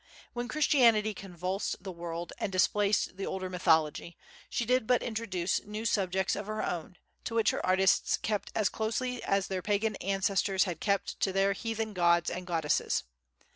When Christianity convulsed the world and displaced the older mythology, she did but introduce new subjects of her own, to which her artists kept as closely as their pagan ancestors had kept to their heathen gods and goddesses.